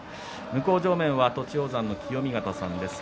向正面、栃煌山の清見潟さんです。